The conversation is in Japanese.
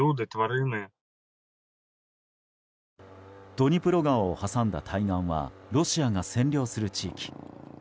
ドニプロ川を挟んだ対岸はロシアが占領する地域。